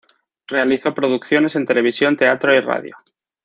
Realizó producciones en televisión, teatro y radio.